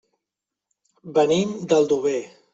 Venim d'Aldover.